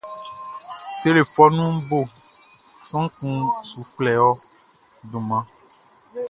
Telefɔnunʼn bo, sran kun su flɛ ɔ dunmanʼn.